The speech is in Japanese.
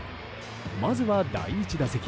まずは第１打席。